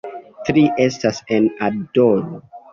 Tri estas en "Adoru".